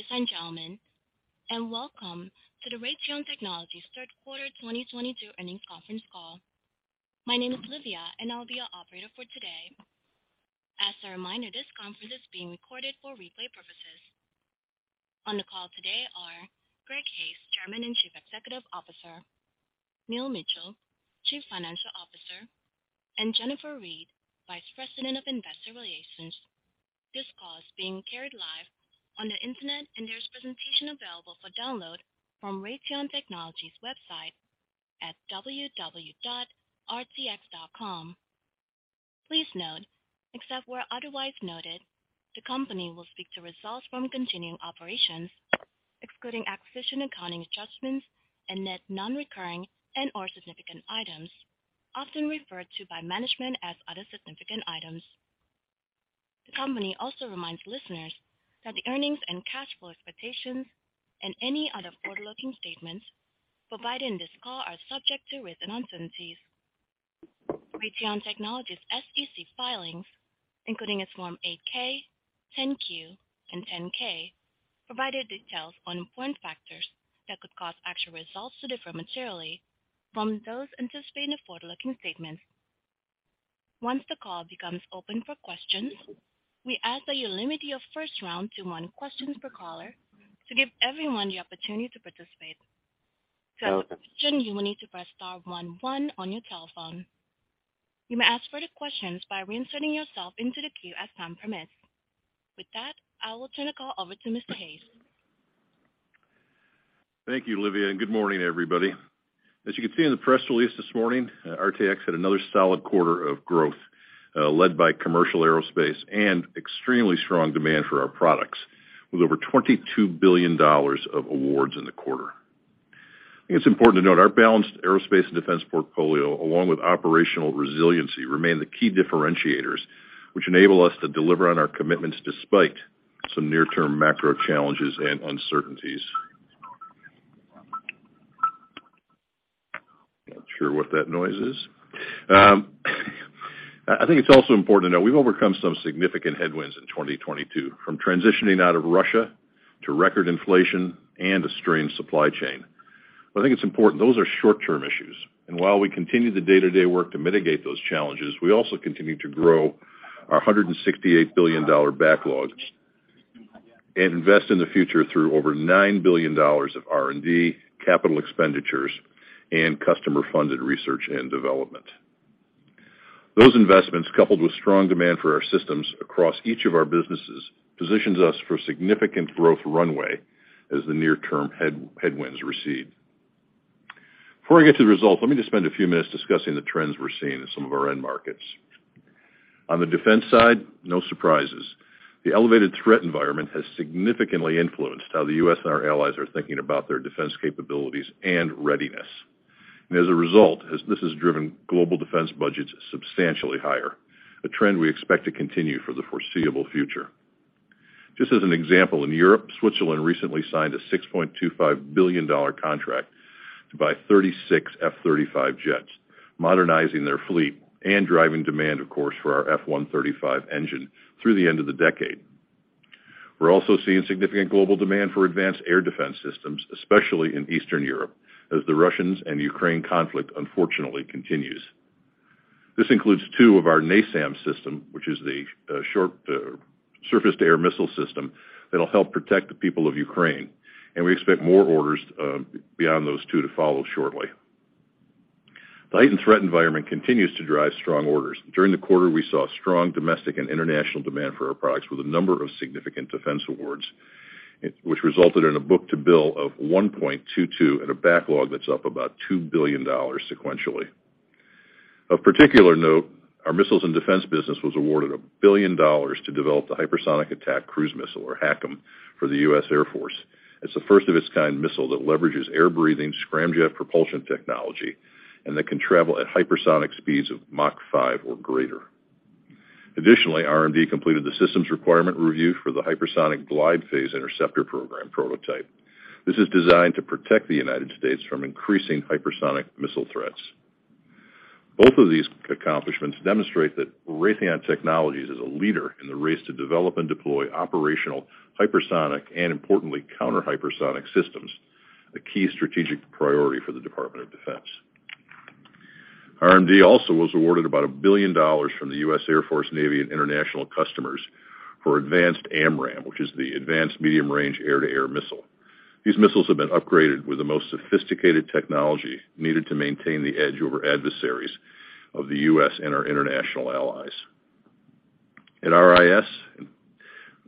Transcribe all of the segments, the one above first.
Ladies and gentlemen, welcome to the Raytheon Technologies Q3 2022 earnings conference call. My name is Olivia, and I'll be your operator for today. As a reminder, this conference is being recorded for replay purposes. On the call today are Greg Hayes, Chairman and Chief Executive Officer, Neil Mitchill, Chief Financial Officer, and Jennifer Reed, Vice President of Investor Relations. This call is being carried live on the Internet and there's a presentation available for download from Raytheon Technologies website at www.rtx.com. Please note, except where otherwise noted, the company will speak to results from continuing operations, excluding acquisition accounting adjustments and net non-recurring and/or significant items, often referred to by management as other significant items. The company also reminds listeners that the earnings and cash flow expectations and any other forward-looking statements provided in this call are subject to risks and uncertainties. Raytheon Technologies' SEC filings, including its Form 8-K, 10-Q, and 10-K, provide details on important factors that could cause actual results to differ materially from those anticipating the forward-looking statements. Once the call becomes open for questions, we ask that you limit your first round to one question per caller to give everyone the opportunity to participate. You will need to press star one one on your telephone. You may ask further questions by reinserting yourself into the queue as time permits. With that, I will turn the call over to Mr. Hayes. Thank you, Olivia, and good morning, everybody. As you can see in the press release this morning, RTX had another solid quarter of growth, led by commercial aerospace and extremely strong demand for our products, with over $22 billion of awards in the quarter. I think it's important to note our balanced aerospace and defense portfolio, along with operational resiliency, remain the key differentiators, which enable us to deliver on our commitments despite some near-term macro challenges and uncertainties. Not sure what that noise is. I think it's also important to know we've overcome some significant headwinds in 2022, from transitioning out of Russia to record inflation and a strained supply chain. I think it's important, those are short-term issues, and while we continue the day-to-day work to mitigate those challenges, we also continue to grow our $168 billion backlogs and invest in the future through over $9 billion of R&D, capital expenditures, and customer-funded research and development. Those investments, coupled with strong demand for our systems across each of our businesses, positions us for significant growth runway as the near-term headwinds recede. Before I get to the results, let me just spend a few minutes discussing the trends we are seeing in some of our end markets. On the defense side, no surprises. The elevated threat environment has significantly influenced how the U.S. and our allies are thinking about their defense capabilities and readiness. As a result, this has driven global defense budgets substantially higher, a trend we expect to continue for the foreseeable future. Just as an example, in Europe, Switzerland recently signed a $6.25 billion contract to buy 36 F-35 jets, modernizing their fleet and driving demand, of course, for our F135 engine through the end of the decade. We are also seeing significant global demand for advanced air defense systems, especially in Eastern Europe, as the Russia-Ukraine conflict unfortunately continues. This includes two of our NASAMS systems, which is the surface-to-air missile system that'll help protect the people of Ukraine, and we expect more orders beyond those two to follow shortly. The heightened threat environment continues to drive strong orders. During the quarter, we saw strong domestic and international demand for our products with a number of significant defense awards, which resulted in a book-to-bill of 1.22 and a backlog that's up about $2 billion sequentially. Of particular note, our missiles and defense business was awarded $1 billion to develop the hypersonic attack cruise missile, or HACM, for the U.S. Air Force. It's a first of its kind missile that leverages air-breathing scramjet propulsion technology, and that can travel at hypersonic speeds of Mach 5 or greater. Additionally, RMD completed the systems requirement review for the hypersonic glide phase interceptor program prototype. This is designed to protect the United States from increasing hypersonic missile threats. Both of these accomplishments demonstrate that Raytheon Technologies is a leader in the race to develop and deploy operational hypersonic and, importantly, counter-hypersonic systems, a key strategic priority for the Department of Defense. RMD also was awarded about $1 billion from the U.S. Air Force, U.S. Navy, and international customers for advanced AMRAAM, which is the Advanced Medium-Range Air-to-Air Missile. These missiles have been upgraded with the most sophisticated technology needed to maintain the edge over adversaries of the U.S. and our international allies. At RIS,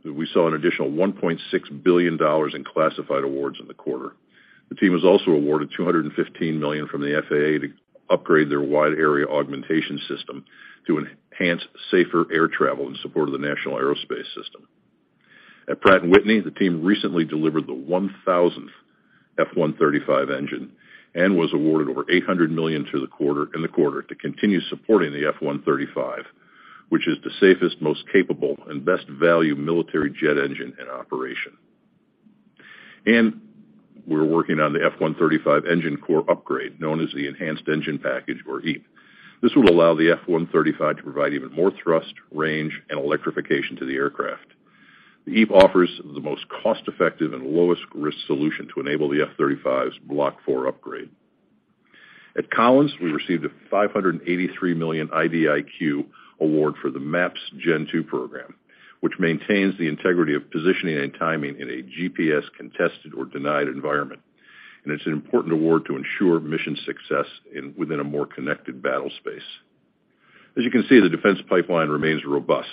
we saw an additional $1.6 billion in classified awards in the quarter. The team was also awarded $215 million from the FAA to upgrade their Wide Area Augmentation System to enhance safer air travel in support of the National Airspace System. At Pratt & Whitney, the team recently delivered the 1,000th F-135 engine and was awarded over $800 million in the quarter to continue supporting the F-135, which is the safest, most capable and best value military jet engine in operation. We're working on the F-135 engine core upgrade, known as the Enhanced Engine Package, or EEP. This will allow the F135 to provide even more thrust, range, and electrification to the aircraft. The EEP offers the most cost-effective and lowest risk solution to enable the F-35's Block 4 upgrade. At Collins, we received a $583 million IDIQ award for the MAPS Gen II program, which maintains the integrity of positioning and timing in a GPS-contested or denied environment. It's an important award to ensure mission success within a more connected battle space. As you can see, the defense pipeline remains robust,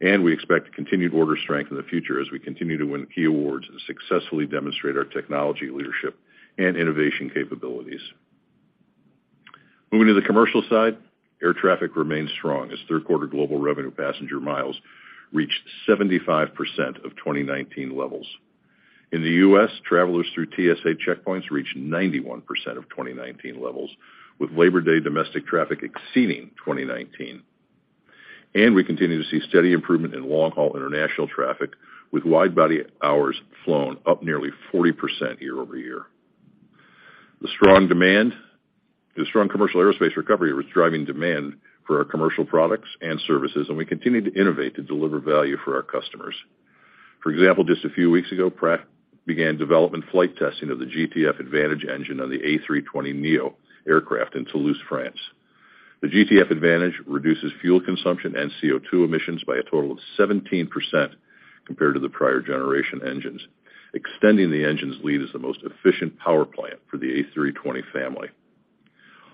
and we expect continued order strength in the future as we continue to win key awards and successfully demonstrate our technology leadership and innovation capabilities. Moving to the commercial side, air traffic remains strong as Q3 global revenue passenger miles reached 75% of 2019 levels. In the U.S., travelers through TSA checkpoints reached 91% of 2019 levels, with Labor Day domestic traffic exceeding 2019. We continue to see steady improvement in long-haul international traffic, with wide-body hours flown up nearly 40% year-over-year. The strong commercial aerospace recovery was driving demand for our commercial products and services, and we continue to innovate to deliver value for our customers. For example, just a few weeks ago, Pratt began development flight testing of the GTF Advantage engine on the A320neo aircraft in Toulouse, France. The GTF Advantage reduces fuel consumption and CO2 emissions by a total of 17% compared to the prior generation engines, extending the engine's lead as the most efficient power plant for the A320 family.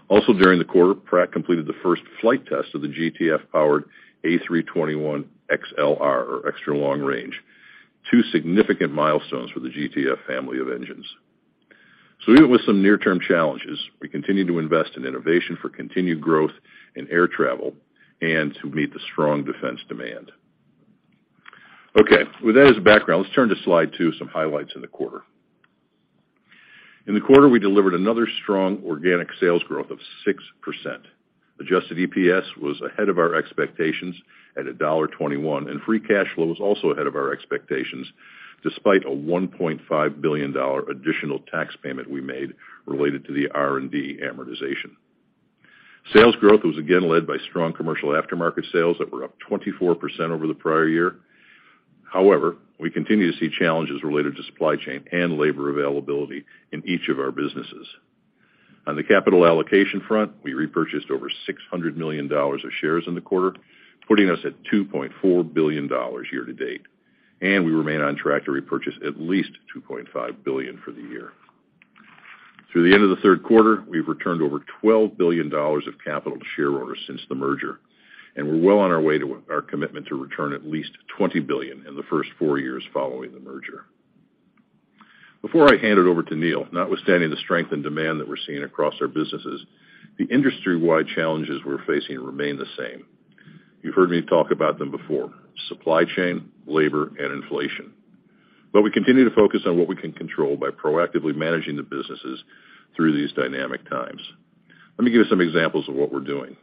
During the quarter, Pratt completed the first flight test of the GTF-powered A321XLR, or Extra Long Range, two significant milestones for the GTF family of engines. Even with some near-term challenges, we continue to invest in innovation for continued growth in air travel and to meet the strong defense demand. Okay. With that as background, let's turn to slide 2, some highlights in the quarter. In the quarter, we delivered another strong organic sales growth of 6%. Adjusted EPS was ahead of our expectations at $1.21, and free cash flow was also ahead of our expectations, despite a $1.5 billion additional tax payment we made related to the R&D amortization. Sales growth was again led by strong commercial aftermarket sales that were up 24% over the prior year. However, we continue to see challenges related to supply chain and labor availability in each of our businesses. On the capital allocation front, we repurchased over $600 million of shares in the quarter, putting us at $2.4 billion year to date, and we remain on track to repurchase at least $2.5 billion for the year. Through the end of the Q3, we have returned over $12 billion of capital to shareholders since the merger, and we're well on our way to our commitment to return at least $20 billion in the first four years following the merger. Before I hand it over to Neil, notwithstanding the strength and demand that we're seeing across our businesses, the industry-wide challenges we are facing remain the same. You've heard me talk about them before, supply chain, labor, and inflation. We continue to focus on what we can control by proactively managing the businesses through these dynamic times. Let me give you some examples of what we're doing.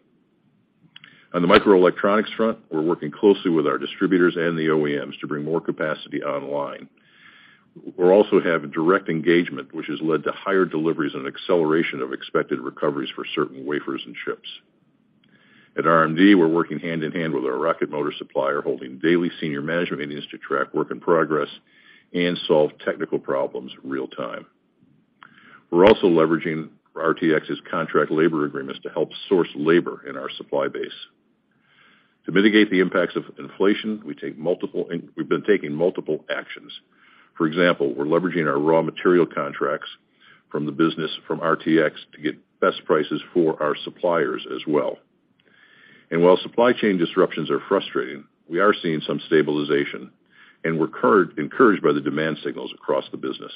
On the microelectronics front, we're working closely with our distributors and the OEMs to bring more capacity online. We also have direct engagement, which has led to higher deliveries and acceleration of expected recoveries for certain wafers and chips. At RMD, we are working hand-in-hand with our rocket motor supplier, holding daily senior management meetings to track work in progress and solve technical problems in real time. We're also leveraging RTX's contract labor agreements to help source labor in our supply base. To mitigate the impacts of inflation, we've been taking multiple actions. For example, we're leveraging our raw material contracts from the business from RTX to get best prices for our suppliers as well. While supply chain disruptions are frustrating, we are seeing some stabilization, and we're encouraged by the demand signals across the business.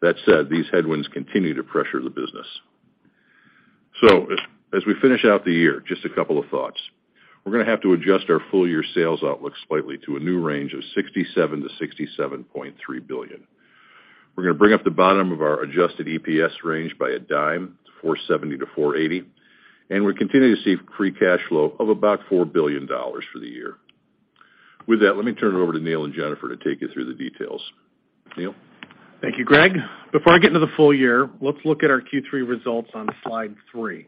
That said, these headwinds continue to pressure the business. As we finish out the year, just a couple of thoughts. We're gonna have to adjust our full-year sales outlook slightly to a new range of $67 billion-$67.3 billion. We're gonna bring up the bottom of our adjusted EPS range by a dime to 4.70-4.80, and we're continuing to see free cash flow of about $4 billion for the year. With that, let me turn it over to Neil and Jennifer to take you through the details. Neil? Thank you, Greg. Before I get into the full year, let's look at our Q3 results on slide 3.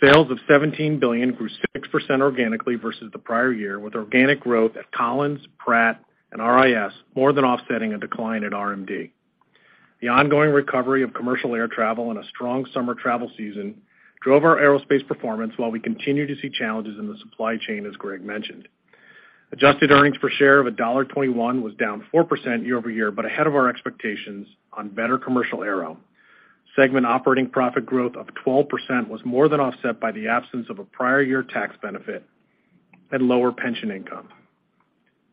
Sales of $17 billion grew 6% organically versus the prior year, with organic growth at Collins, Pratt, and RIS more than offsetting a decline at RMD. The ongoing recovery of commercial air travel and a strong summer travel season drove our aerospace performance while we continue to see challenges in the supply chain, as Greg mentioned. Adjusted earnings per share of $1.21 was down 4% year-over-year, but ahead of our expectations on better commercial aero. Segment operating profit growth of 12% was more than offset by the absence of a prior year tax benefit and lower pension income.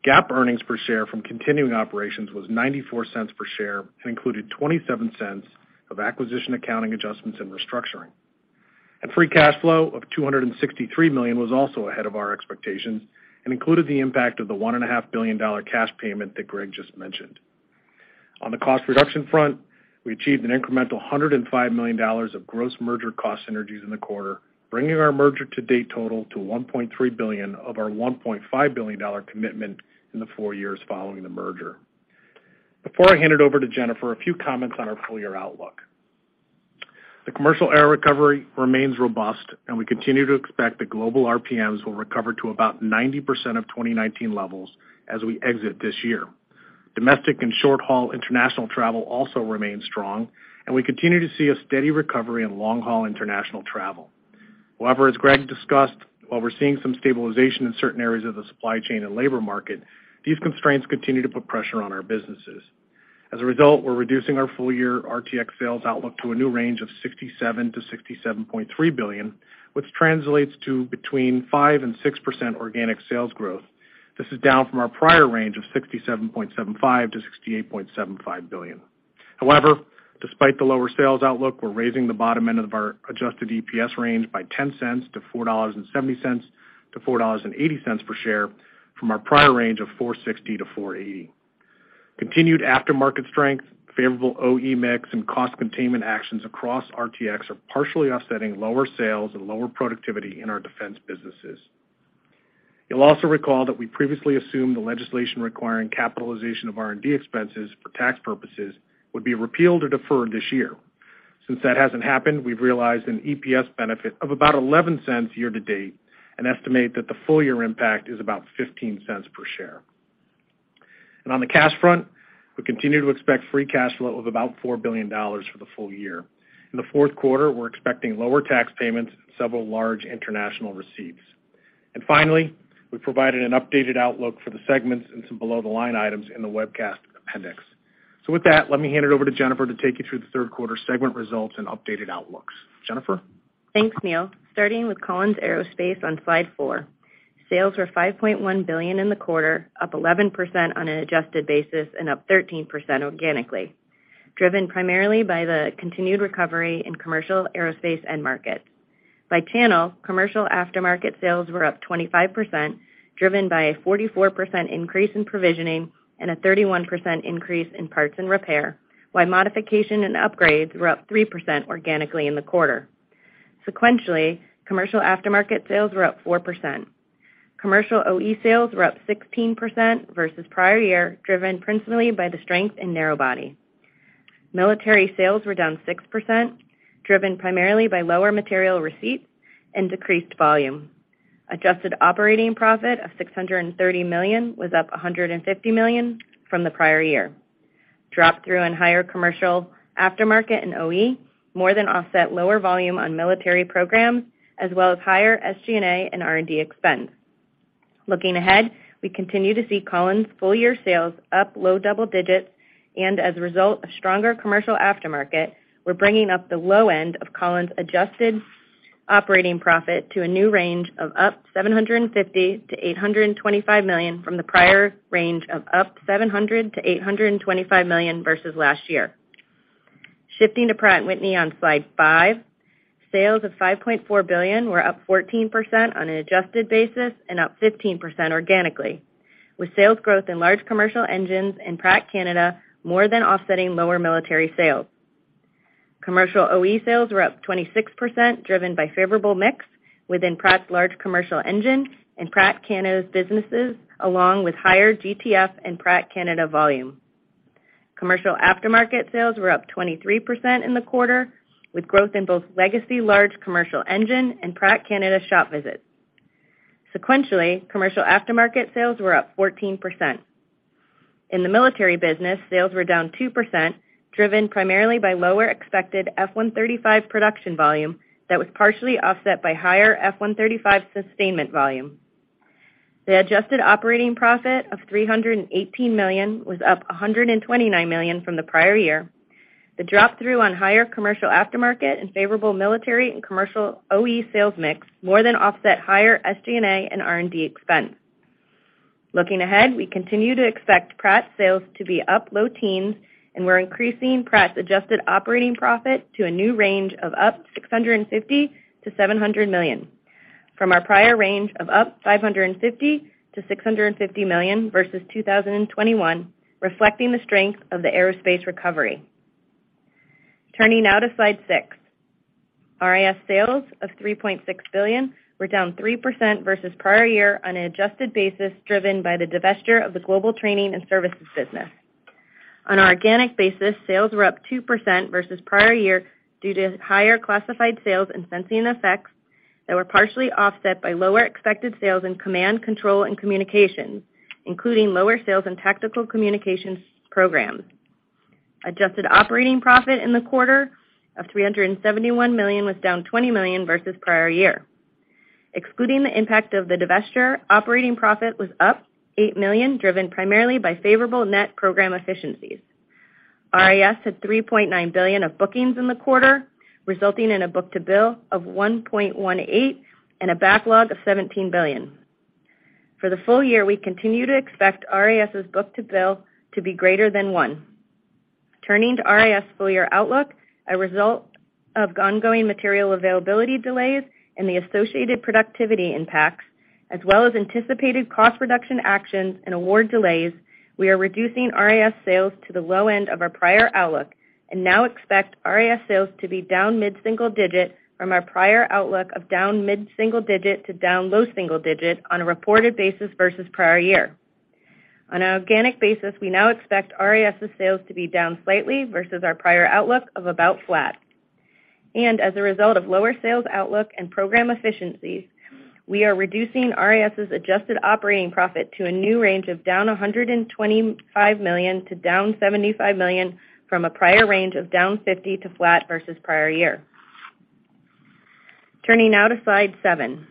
GAAP earnings per share from continuing operations was $0.94 per share and included $0.27 of acquisition accounting adjustments and restructuring. Free cash flow of $263 million was also ahead of our expectations and included the impact of the one and a half billion dollar cash payment that Greg just mentioned. On the cost reduction front, we achieved an incremental $105 million of gross merger cost synergies in the quarter, bringing our merger to date total to $1.3 billion of our $1.5 billion commitment in the four years following the merger. Before I hand it over to Jennifer, a few comments on our full-year outlook. The commercial air recovery remains robust, and we continue to expect that global RPMs will recover to about 90% of 2019 levels as we exit this year. Domestic and short-haul international travel also remains strong, and we continue to see a steady recovery in long-haul international travel. However, as Greg discussed, while we're seeing some stabilization in certain areas of the supply chain and labor market, these constraints continue to put pressure on our businesses. As a result, we are reducing our full-year RTX sales outlook to a new range of $67-$67.3 billion, which translates to between 5%-6% organic sales growth. This is down from our prior range of $67.75-$68.75 billion. However, despite the lower sales outlook, we are raising the bottom end of our adjusted EPS range by $0.10 to $4.70-$4.80 per share from our prior range of $4.60-$4.80. Continued aftermarket strength, favorable OE mix, and cost containment actions across RTX are partially offsetting lower sales and lower productivity in our defense businesses. You'll also recall that we previously assumed the legislation requiring capitalization of R&D expenses for tax purposes would be repealed or deferred this year. Since that hasn't happened, we've realized an EPS benefit of about $0.11 year to date and estimate that the full year impact is about $0.15 per share. On the cash front, we continue to expect free cash flow of about $4 billion for the full year. In the Q4, we are expecting lower tax payments and several large international receipts. Finally, we provided an updated outlook for the segments and some below-the-line items in the webcast appendix. With that, let me hand it over to Jennifer to take you through the Q3 segment results and updated outlooks. Jennifer. Thanks, Neil. Starting with Collins Aerospace on slide four. Sales were $5.1 billion in the quarter, up 11% on an adjusted basis and up 13% organically, driven primarily by the continued recovery in commercial aerospace end markets. By channel, commercial aftermarket sales were up 25%, driven by a 44% increase in provisioning and a 31% increase in parts and repair, while modification and upgrades were up 3% organically in the quarter. Sequentially, commercial aftermarket sales were up 4%. Commercial OE sales were up 16% versus prior year, driven principally by the strength in narrow body. Military sales were down 6%, driven primarily by lower material receipts and decreased volume. Adjusted operating profit of $630 million was up $150 million from the prior year. Drop-through and higher commercial aftermarket and OE more than offset lower volume on military programs as well as higher SG&A and R&D expense. Looking ahead, we continue to see Collins' full-year sales up low double digits, and as a result of stronger commercial aftermarket, we're bringing up the low end of Collins' adjusted operating profit to a new range of up $750 million-$825 million from the prior range of up $700 million-$825 million versus last year. Shifting to Pratt & Whitney on slide 5. Sales of $5.4 billion were up 14% on an adjusted basis and up 15% organically, with sales growth in large commercial engines in Pratt Canada more than offsetting lower military sales. Commercial OE sales were up 26%, driven by favorable mix within Pratt's large commercial engine and Pratt Canada's businesses, along with higher GTF and Pratt Canada volume. Commercial aftermarket sales were up 23% in the quarter, with growth in both legacy large commercial engine and Pratt Canada shop visits. Sequentially, commercial aftermarket sales were up 14%. In the military business, sales were down 2%, driven primarily by lower expected F-135 production volume that was partially offset by higher F-135 sustainment volume. The adjusted operating profit of $318 million was up $129 million from the prior year. The drop-through on higher commercial aftermarket and favorable military and commercial OE sales mix more than offset higher SG&A and R&D expense. Looking ahead, we continue to expect Pratt's sales to be up low teens, and we are increasing Pratt's adjusted operating profit to a new range of up $650 million-$700 million from our prior range of up $550 million-$650 million versus 2021, reflecting the strength of the aerospace recovery. Turning now to Slide 6. RIS sales of $3.6 billion were down 3% versus prior year on an adjusted basis driven by the divestiture of the Global Training and Services business. On an organic basis, sales were up 2% versus prior year due to higher classified sales and sensing and effects that were partially offset by lower expected sales in command, control, and communications, including lower sales in tactical communications programs. Adjusted operating profit in the quarter of $371 million was down $20 million versus prior year. Excluding the impact of the divestiture, operating profit was up $8 million, driven primarily by favorable net program efficiencies. RIS had $3.9 billion of bookings in the quarter, resulting in a book-to-bill of 1.18 and a backlog of $17 billion. For the full year, we continue to expect RIS's book-to-bill to be greater than one. Turning to RIS full-year outlook, a result of ongoing material availability delays and the associated productivity impacts, as well as anticipated cost reduction actions and award delays, we are reducing RIS sales to the low end of our prior outlook and now expect RIS sales to be down mid-single digit from our prior outlook of down mid-single digit to down low single digit on a reported basis versus prior year. On an organic basis, we now expect RIS's sales to be down slightly versus our prior outlook of about flat. As a result of lower sales outlook and program efficiencies, we are reducing RIS's adjusted operating profit to a new range of down $125 million to down $75 million from a prior range of down $50 million to flat versus prior year. Turning now to slide seven.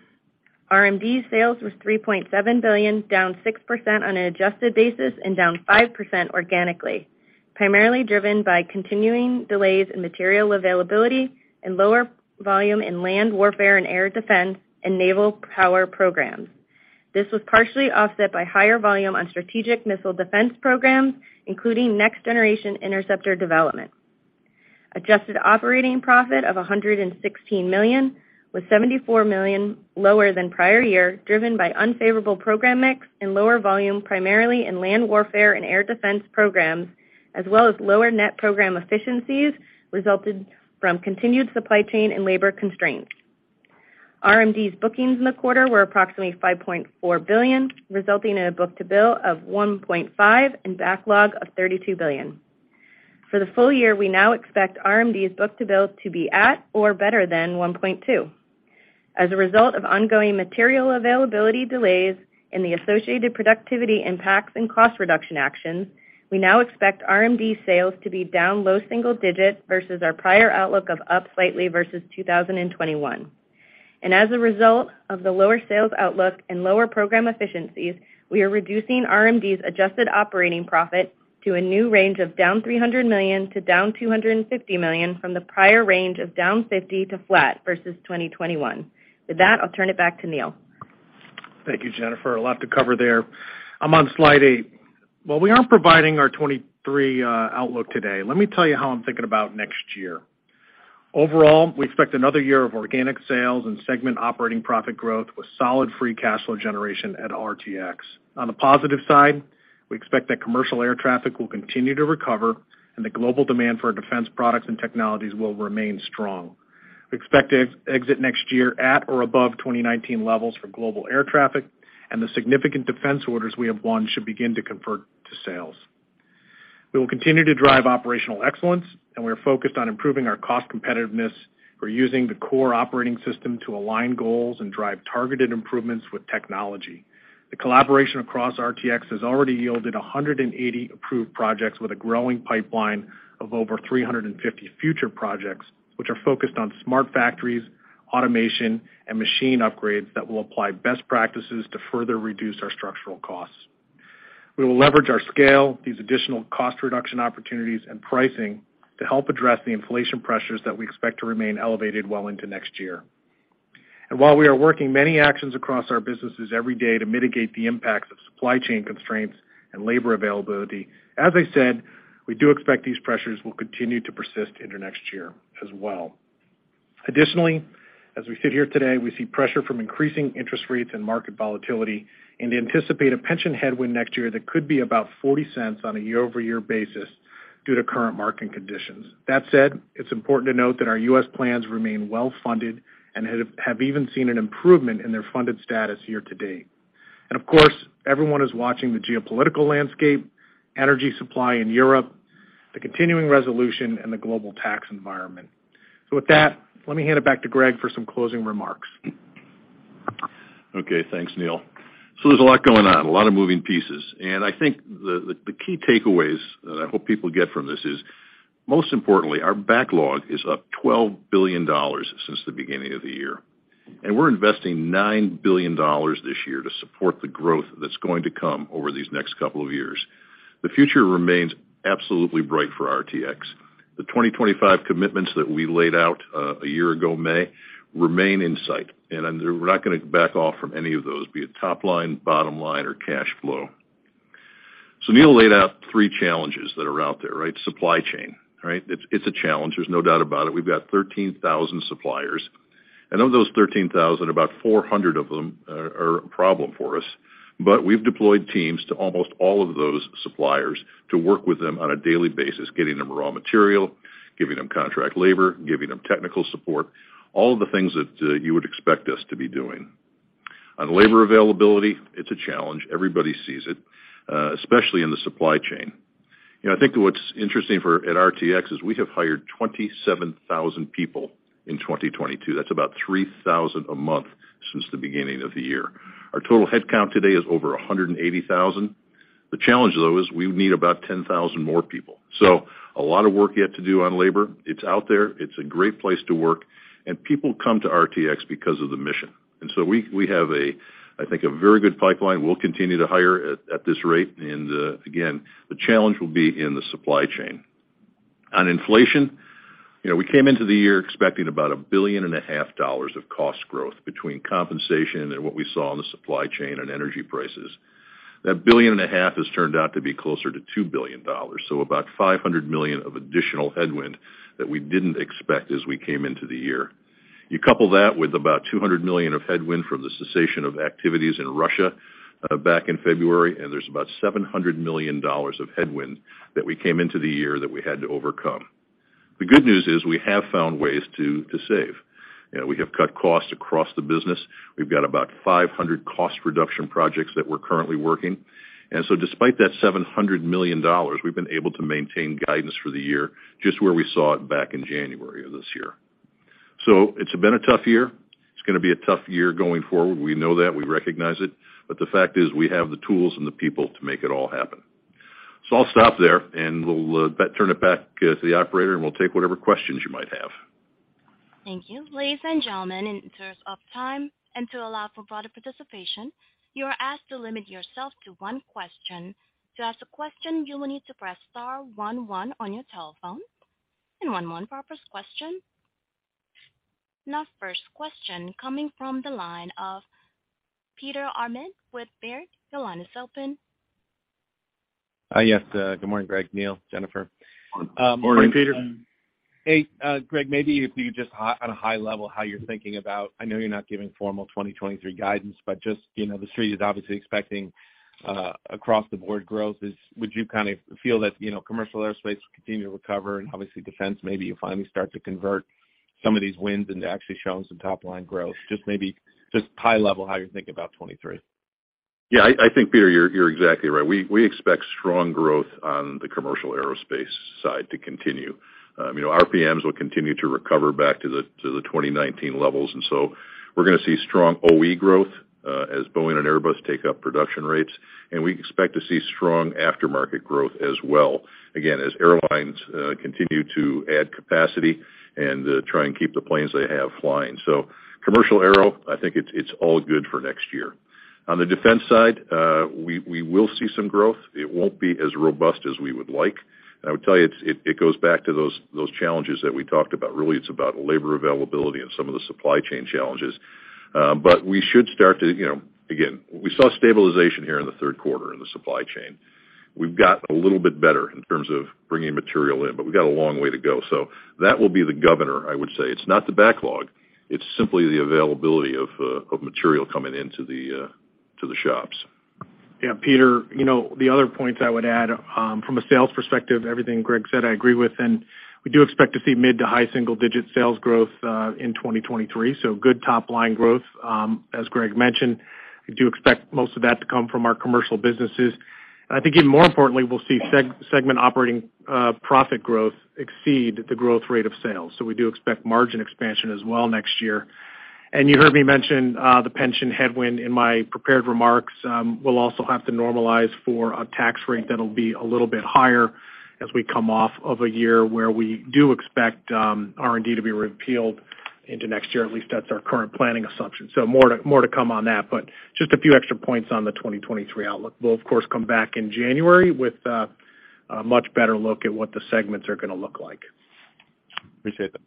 RMD's sales was $3.7 billion, down 6% on an adjusted basis and down 5% organically, primarily driven by continuing delays in material availability and lower volume in land warfare and air defense and naval power programs. This was partially offset by higher volume on strategic missile defense programs, including Next Generation Interceptor development. Adjusted operating profit of $116 million, with $74 million lower than prior year, driven by unfavorable program mix and lower volume, primarily in land warfare and air defense programs, as well as lower net program efficiencies resulted from continued supply chain and labor constraints. RMD's bookings in the quarter were approximately $5.4 billion, resulting in a book-to-bill of 1.5 and backlog of $32 billion. For the full year, we now expect RMD's book-to-bill to be at or better than 1.2. As a result of ongoing material availability delays and the associated productivity impacts and cost reduction actions, we now expect RMD sales to be down low single digit versus our prior outlook of up slightly versus 2021. As a result of the lower sales outlook and lower program efficiencies, we are reducing RMD's adjusted operating profit to a new range of down $300 million to down $250 million from the prior range of down $50 million to flat versus 2021. With that, I'll turn it back to Neil Mitchill. Thank you, Jennifer. A lot to cover there. I'm on slide eight. While we aren't providing our 23 outlook today, let me tell you how I'm thinking about next year. Overall, we expect another year of organic sales and segment operating profit growth with solid free cash flow generation at RTX. On the positive side, we expect that commercial air traffic will continue to recover and the global demand for our defense products and technologies will remain strong. We expect to exit next year at or above 2019 levels for global air traffic, and the significant defense orders we have won should begin to convert to sales. We will continue to drive operational excellence, and we are focused on improving our cost competitiveness. We're using the core operating system to align goals and drive targeted improvements with technology. The collaboration across RTX has already yielded 180 approved projects with a growing pipeline of over 350 future projects, which are focused on smart factories, automation, and machine upgrades that will apply best practices to further reduce our structural costs. We will leverage our scale, these additional cost reduction opportunities, and pricing to help address the inflation pressures that we expect to remain elevated well into next year. While we are working many actions across our businesses every day to mitigate the impacts of supply chain constraints and labor availability, as I said, we do expect these pressures will continue to persist into next year as well. Additionally, as we sit here today, we see pressure from increasing interest rates and market volatility and anticipate a pension headwind next year that could be about $0.40 on a year-over-year basis due to current market conditions. That said, it's important to note that our U.S. plans remain well-funded and have even seen an improvement in their funded status year to date. Of course, everyone is watching the geopolitical landscape, energy supply in Europe, the continuing resolution in the global tax environment. With that, let me hand it back to Greg for some closing remarks. Okay, thanks, Neil. There's a lot going on, a lot of moving pieces. I think the key takeaways that I hope people get from this is, most importantly, our backlog is up $12 billion since the beginning of the year, and we are investing $9 billion this year to support the growth that's going to come over these next couple of years. The future remains absolutely bright for RTX. The 2025 commitments that we laid out a year ago may remain in sight, and we're not gonna back off from any of those, be it top line, bottom line, or cash flow. So Neil laid out three challenges that are out there, right? Supply chain, right? It's a challenge, there's no doubt about it. We've got 13,000 suppliers, and of those 13,000, about 400 of them are a problem for us. We've deployed teams to almost all of those suppliers to work with them on a daily basis, getting them raw material, giving them contract labor, giving them technical support, all of the things that you would expect us to be doing. On labor availability, it's a challenge. Everybody sees it, especially in the supply chain. You know, I think what's interesting at RTX is we have hired 27,000 people in 2022. That's about 3,000 a month since the beginning of the year. Our total headcount today is over 180,000. The challenge, though, is we need about 10,000 more people. So a lot of work yet to do on labor. It's out there. It's a great place to work, and people come to RTX because of the mission. We have, I think, a very good pipeline. We'll continue to hire at this rate. Again, the challenge will be in the supply chain. On inflation, you know, we came into the year expecting about $1.5 billion of cost growth between compensation and what we saw in the supply chain and energy prices. That $1.5 billion has turned out to be closer to $2 billion, so about $500 million of additional headwind that we didn't expect as we came into the year. You couple that with about $200 million of headwind from the cessation of activities in Russia back in February, and there's about $700 million of headwind that we came into the year that we had to overcome. The good news is we have found ways to save. You know, we have cut costs across the business. We have got about 500 cost reduction projects that we're currently working. Despite that $700 million, we've been able to maintain guidance for the year just where we saw it back in January of this year. It's been a tough year. It's gonna be a tough year going forward. We know that, we recognize it, but the fact is we have the tools and the people to make it all happen. I'll stop there, and we'll turn it back to the operator, and we will take whatever questions you might have. Thank you. Ladies and gentlemen, in terms of time and to allow for broader participation, you are asked to limit yourself to one question. To ask a question, you will need to press star one one on your telephone. One moment for our first question. Our first question coming from the line of Peter Arment with Baird. Your line is open. Yes, good morning, Greg, Neil, Jennifer. Morning, Peter. Hey, Greg, maybe if you could just on a high level how you're thinking about, I know you are not giving formal 2023 guidance, but just, you know, The Street is obviously expecting across-the-board growth. Would you kind of feel that, you know, commercial aerospace will continue to recover and obviously defense, maybe you finally start to convert some of these wins into actually showing some top line growth? Just maybe, just high level, how you're thinking about 2023. Yeah. I think, Peter, you're exactly right. We expect strong growth on the commercial aerospace side to continue. You know, RPMs will continue to recover back to the 2019 levels. We are gonna see strong OE growth, as Boeing and Airbus take up production rates, and we expect to see strong aftermarket growth as well, again, as airlines continue to add capacity and try and keep the planes they have flying. Commercial aero, I think it's all good for next year. On the defense side, we will see some growth. It won't be as robust as we would like. I would tell you, it goes back to those challenges that we talked about. Really, it's about labor availability and some of the supply chain challenges. We should start to, you know. Again, we saw stabilization here in the Q3 in the supply chain. We've got a little bit better in terms of bringing material in, but we've got a long way to go. That will be the governor, I would say. It's not the backlog. It's simply the availability of material coming into the shops. Yeah, Peter, you know, the other points I would add, from a sales perspective, everything Greg said, I agree with, and we do expect to see mid- to high-single-digit sales growth in 2023, so good top line growth. As Greg mentioned, we do expect most of that to come from our commercial businesses. I think even more importantly, we'll see segment operating profit growth exceed the growth rate of sales. We do expect margin expansion as well next year. You heard me mention the pension headwind in my prepared remarks. We'll also have to normalize for a tax rate that'll be a little bit higher as we come off of a year where we do expect R&D to be repealed into next year. At least that's our current planning assumption. More to come on that, but just a few extra points on the 2023 outlook. We'll of course come back in January with a much better look at what the segments are gonna look like. Appreciate that.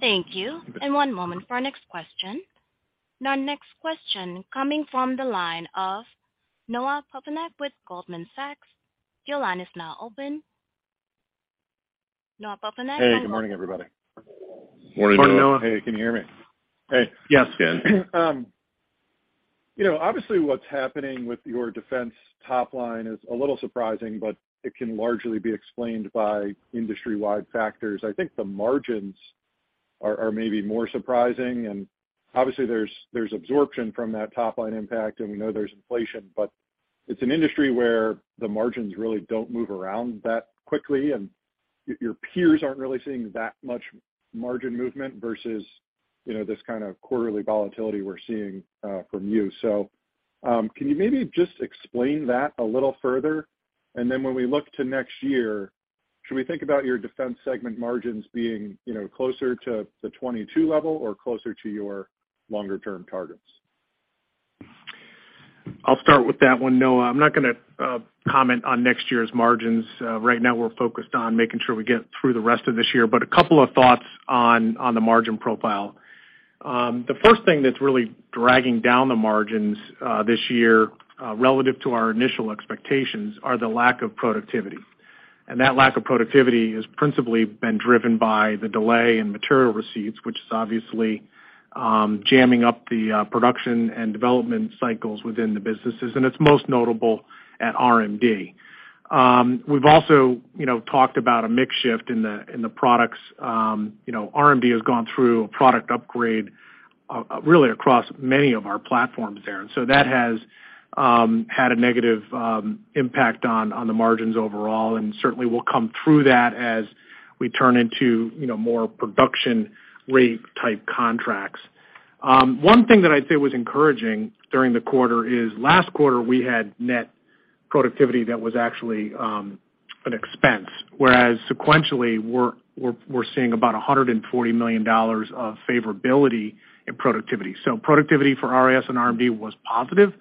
Thank you. One moment for our next question. Our next question coming from the line of Noah Poponak with Goldman Sachs. Your line is now open. Noah Poponak. Hey, good morning, everybody. Morning, Noah. Morning. Hey, can you hear me? Hey. Yes. Good. You know, obviously what's happening with your defense top line is a little surprising, but it can largely be explained by industry-wide factors. I think the margins are maybe more surprising. Obviously there's absorption from that top line impact, and we know there's inflation, but it's an industry where the margins really don't move around that quickly, and your peers aren't really seeing that much margin movement versus, you know, this kind of quarterly volatility we're seeing from you. Can you maybe just explain that a little further? Then when we look to next year, should we think about your defense segment margins being, you know, closer to the 22% level or closer to your longer term targets? I'll start with that one, Noah. I'm not gonna comment on next year's margins. Right now we are focused on making sure we get through the rest of this year. A couple of thoughts on the margin profile. The first thing that's really dragging down the margins this year relative to our initial expectations are the lack of productivity. That lack of productivity has principally been driven by the delay in material receipts, which is obviously jamming up the production and development cycles within the businesses, and it's most notable at RMD. We've also, you know, talked about a mix shift in the products. You know, RMD has gone through a product upgrade really across many of our platforms there. That has had a negative impact on the margins overall, and certainly we'll come through that as we turn into, you know, more production rate type contracts. One thing that I'd say was encouraging during the quarter is last quarter, we had net productivity that was actually an expense, whereas sequentially, we're seeing about $140 million of favorability in productivity. Productivity for RIS and RMD was positive,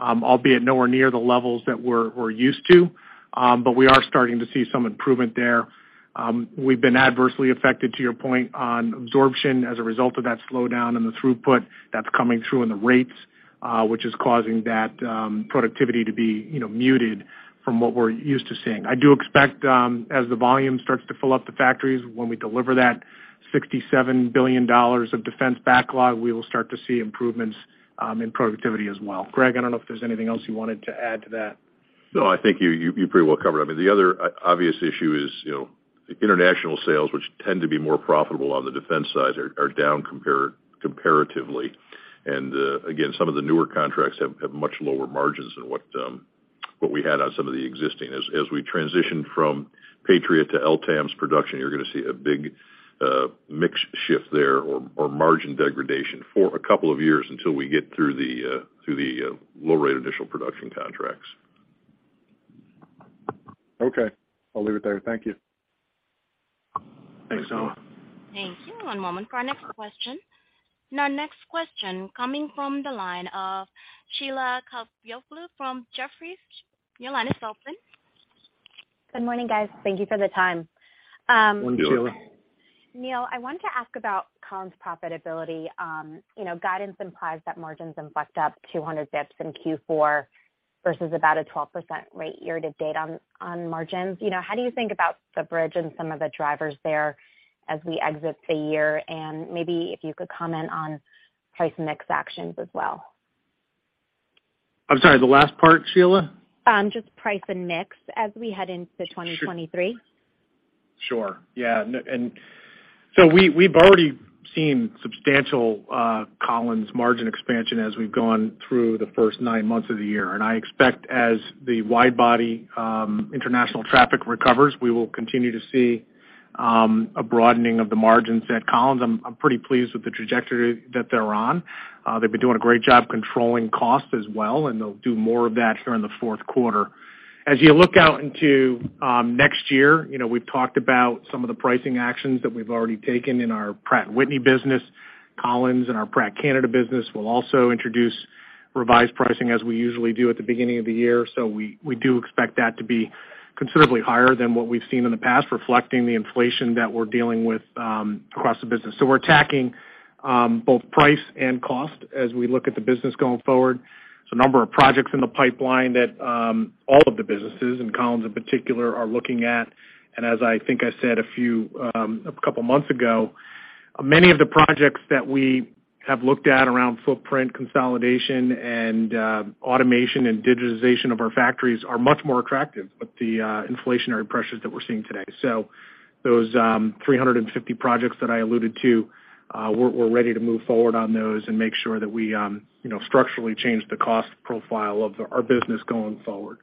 albeit nowhere near the levels that we're used to, but we are starting to see some improvement there. We've been adversely affected, to your point, on absorption as a result of that slowdown in the throughput that's coming through in the rates, which is causing that productivity to be, you know, muted from what we're used to seeing. I do expect, as the volume starts to fill up the factories, when we deliver that $67 billion of defense backlog, we will start to see improvements in productivity as well. Greg, I don't know if there's anything else you wanted to add to that. No, I think you pretty well covered. I mean, the other obvious issue is international sales, which tend to be more profitable on the defense side are down comparatively. Again, some of the newer contracts have much lower margins than what we had on some of the existing. As we transition from Patriot to LTAMDS production, you're gonna see a big mix shift there or margin degradation for a couple of years until we get through the low rate initial production contracts. Okay. I'll leave it there. Thank you. Thanks, Noah. Thank you. One moment for our next question. Now, next question coming from the line of Sheila Kahyoglu from Jefferies. Your line is open. Good morning, guys. Thank you for the time. Good morning, Sheila. Neil, I wanted to ask about Collins profitability. You know, guidance implies that margins inflect up 200 BPS in Q4 versus about a 12% rate year to date on margins. You know, how do you think about the bridge and some of the drivers there as we exit the year? Maybe if you could comment on price mix actions as well. I'm sorry, the last part, Sheila? Just price and mix as we head into 2023. Sure. Yeah. We have already seen substantial Collins margin expansion as we've gone through the first nine months of the year. I expect as the wide body international traffic recovers, we will continue to see a broadening of the margins at Collins. I'm pretty pleased with the trajectory that they're on. They've been doing a great job controlling costs as well, and they'll do more of that during the Q4. As you look out into next year, you know, we've talked about some of the pricing actions that we've already taken in our Pratt & Whitney business. Collins and our Pratt & Whitney Canada business will also introduce revised pricing as we usually do at the beginning of the year. We do expect that to be considerably higher than what we've seen in the past, reflecting the inflation that we're dealing with across the business. We're attacking both price and cost as we look at the business going forward. There's a number of projects in the pipeline that all of the businesses, and Collins in particular, are looking at. As I think I said a few, a couple months ago, many of the projects that we have looked at around footprint consolidation and automation and digitization of our factories are much more attractive with the inflationary pressures that we're seeing today. Those 350 projects that I alluded to, we're ready to move forward on those and make sure that we, you know, structurally change the cost profile of our business going forward.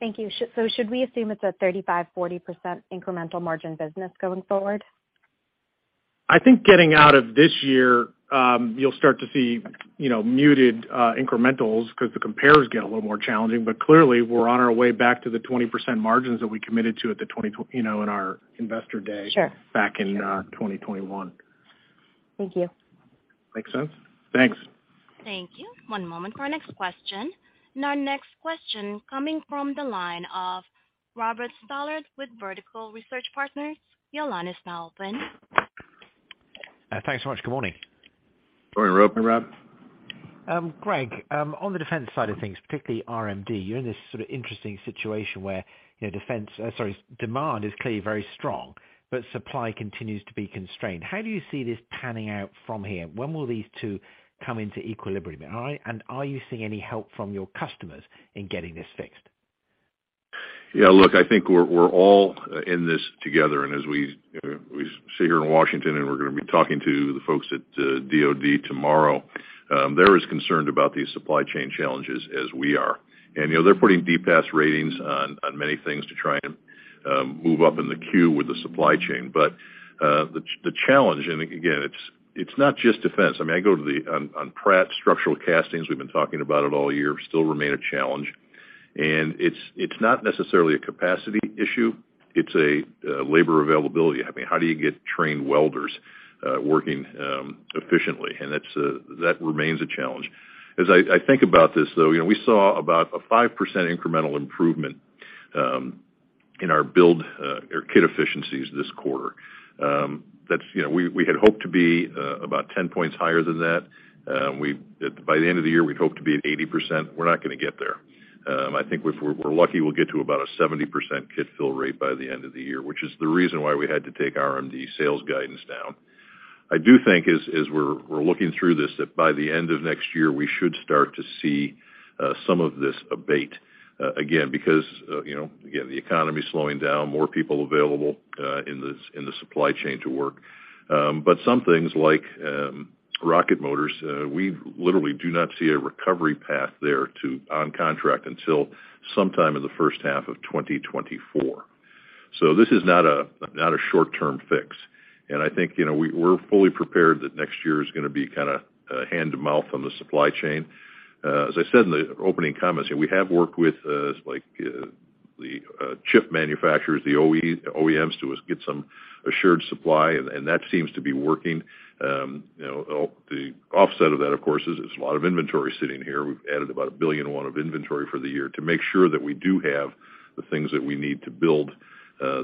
Thank you. Should we assume it's a 35%-40% incremental margin business going forward? I think getting out of this year, you'll start to see, you know, muted incrementals because the compares get a little more challenging. Clearly, we're on our way back to the 20% margins that we committed to at the 2020, you know, in our investor day. Sure, sure. Back in, uh, twenty twenty-one. Thank you. Make sense? Thanks. Thank you. One moment for our next question. Now next question coming from the line of Robert Stallard with Vertical Research Partners. Your line is now open. Thanks so much. Good morning. Morning, Rob. Morning, Rob. Greg, on the defense side of things, particularly RMD, you're in this sort of interesting situation where, you know, defense demand is clearly very strong, but supply continues to be constrained. How do you see this panning out from here? When will these two come into equilibrium? And are you seeing any help from your customers in getting this fixed? Yeah, look, I think we are all in this together. As we sit here in Washington, and we're gonna be talking to the folks at DoD tomorrow, they're as concerned about these supply chain challenges as we are. You know, they're putting DPAS ratings on many things to try and move up in the queue with the supply chain. The challenge, and again, it's not just defense. I mean, I go to Pratt structural castings, we've been talking about it all year, still remain a challenge. It's not necessarily a capacity issue, it's a labor availability. I mean, how do you get trained welders working efficiently? That remains a challenge. As I think about this, though, you know, we saw about a 5% incremental improvement in our build or kit efficiencies this quarter. That's, you know, we had hoped to be about 10 points higher than that. By the end of the year, we'd hoped to be at 80%. We're not gonna get there. I think if we're lucky, we'll get to about a 70% kit fill rate by the end of the year, which is the reason why we had to take RMD sales guidance down. I do think as we are looking through this, that by the end of next year, we should start to see some of this abate again, because you know, again, the economy is slowing down, more people available in the supply chain to work. But some things like rocket motors, we literally do not see a recovery path there to on contract until sometime in the first half of 2024. This is not a short-term fix. I think you know, we're fully prepared that next year is gonna be kinda hand to mouth on the supply chain. As I said in the opening comments, you know, we have worked with like the chip manufacturers, the OEMs to get some assured supply, and that seems to be working. You know, the offset of that, of course, is there's a lot of inventory sitting here. We've added about $1.1 billion of inventory for the year to make sure that we do have the things that we need to build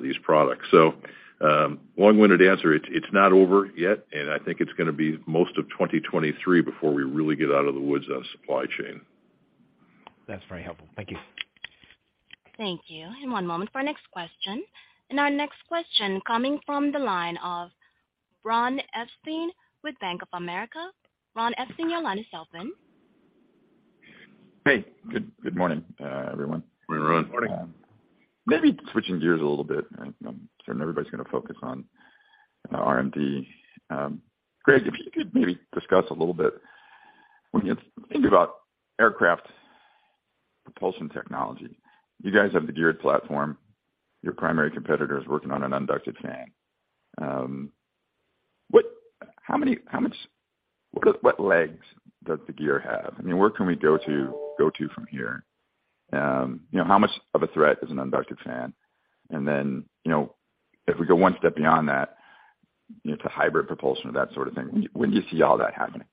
these products. Long-winded answer, it's not over yet, and I think it's gonna be most of 2023 before we really get out of the woods on supply chain. That's very helpful. Thank you. Thank you. One moment for our next question. Our next question coming from the line of Ron Epstein with Bank of America. Ron Epstein, your line is open. Hey, good morning, everyone. Good morning, Ron. Morning. Maybe switching gears a little bit, and I'm certain everybody's gonna focus on RMD. Greg, if you could maybe discuss a little bit when you think about aircraft propulsion technology, you guys have the geared platform. Your primary competitor is working on an unducted fan. What legs does the gear have? I mean, where can we go from here? You know, how much of a threat is an unducted fan? And then, you know, if we go one step beyond that, you know, to hybrid propulsion or that sort of thing, when do you see all that happening?